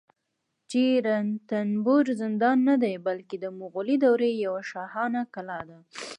چې رنتنبور زندان نه دی، بلکې د مغولي دورې یوه شاهانه کلا ده